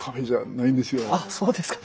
あっそうですか。